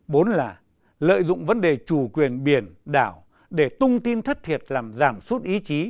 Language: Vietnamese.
bốn là lợi dụng vấn đề chủ quyền biển đảo để tung tin thất thiệt làm giảm suốt ý chí